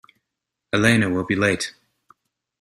Elena will be late.